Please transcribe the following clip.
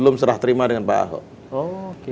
ini memang ini memang adalah hal yang memang harus kita lakukan